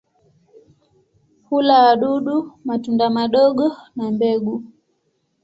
Hula wadudu, matunda madogo na mbegu.